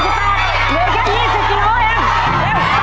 เร็วไปอีกหน่อยเร็วเร็วเร็ว